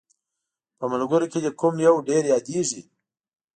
په ملګرو کې دې کوم یو ډېر یادیږي؟